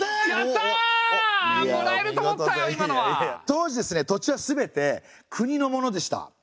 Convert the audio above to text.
当時土地は全て国のものでした。